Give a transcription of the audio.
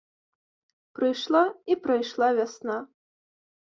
Прыйшла і прайшла вясна.